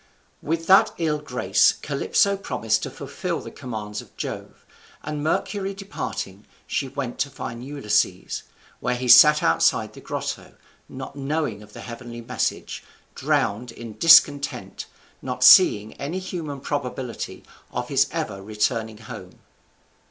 With an ill grace Calypso promised to fulfil the commands of Jove; and, Mercury departing, she went to find Ulysses, where he sat outside the grotto, not knowing of the heavenly message, drowned in discontent, not seeing any human probability of his ever returning home.